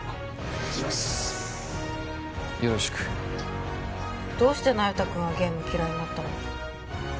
よろしくどうして那由他君はゲーム嫌いになったの？